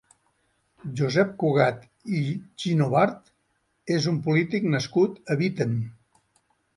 Josep Cugat i Ginovart és un polític nascut a Bítem.